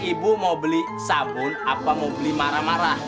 ibu mau beli sabun apa mau beli marah marah